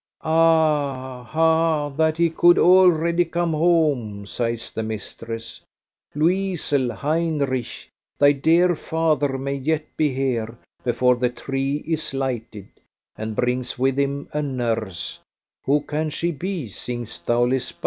"Ah! ha! that he could already come home," sighs the mistress. "Loisl Heinrich, thy dear father may yet be here before the tree is lighted; and brings with him a nurse who can she be, think'st thou, Lisba?"